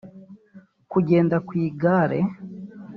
kugenda ku igare